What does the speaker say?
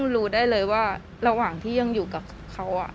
รู้ได้เลยว่าระหว่างที่ยังอยู่กับเขา